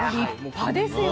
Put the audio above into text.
立派ですよね。